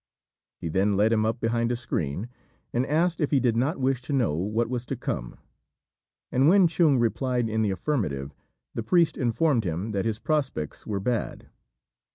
He then led him up behind a screen, and asked if he did not wish to know what was to come; and when Chung replied in the affirmative, the priest informed him that his prospects were bad.